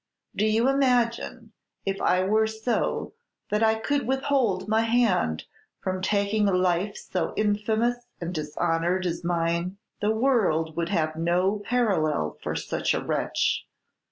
"Do you imagine, if I were so, that I could withhold my hand from taking a life so infamous and dishonored as mine? The world would have no parallel for such a wretch!